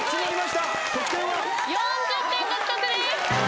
４０点獲得です。